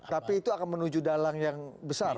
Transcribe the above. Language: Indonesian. tapi itu akan menuju dalang yang besar